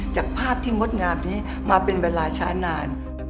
จากภาพที่งดงามนี้มาเป็นเวลาช้านาน